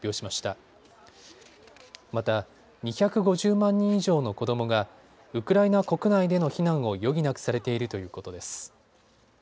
また、２５０万人以上の子どもがウクライナ国内での避難を余儀なくされているということです。